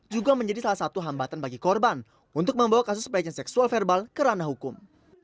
juga menjadi salah satu hambatan bagi korban untuk membawa kasus pelecehan seksual verbal ke ranah hukum